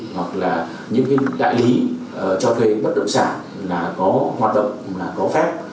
hoặc là những cái đại lý cho thuê bất động sản là có hoạt động có phép